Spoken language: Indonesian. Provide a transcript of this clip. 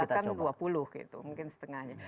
bahkan dua puluh gitu mungkin setengahnya